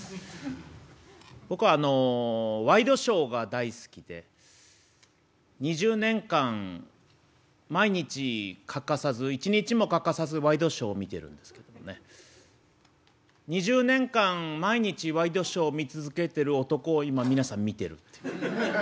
僕あのワイドショーが大好きで２０年間毎日欠かさず一日も欠かさずワイドショー見てるんですけどもね２０年間毎日ワイドショー見続けてる男を今皆さん見てるっていう。